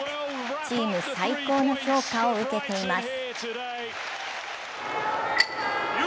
チーム最高の評価を受けています。